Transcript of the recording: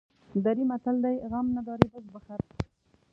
دري متل دی: غم نداری بز بخر.